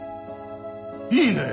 いいねえ！